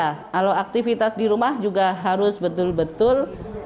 kalau aktivitas di rumah juga harus betul betul